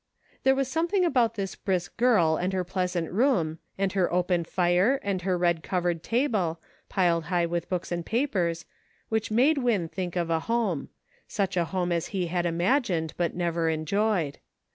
There was something about this brisk girl and her pleasant room, and her open fire, and her red covered table, piled high with books and papers, which made Win think of a home ; such a home as he had imagined, but never enjoyed.